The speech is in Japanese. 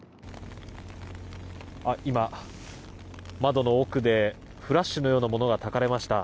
今、窓の奥でフラッシュのようなものがたかれました。